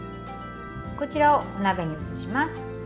こちらをお鍋に移します。